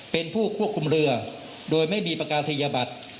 เป็นผู้ควบคุมเรือโดยไม่มีประกาศธยบัตร